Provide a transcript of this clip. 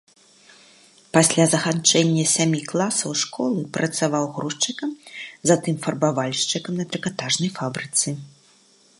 Пасля заканчэння сямі класаў школы працаваў грузчыкам, затым фарбавальшчыкам на трыкатажнай фабрыцы.